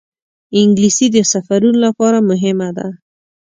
انګلیسي د سفرونو لپاره مهمه ده